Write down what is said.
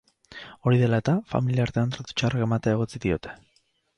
Hori dela eta, familiartean tratu txarrak ematea egotzi diote.